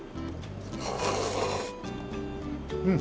うん！